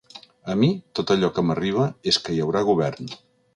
A mi, tot allò que m’arriba és que hi haurà govern.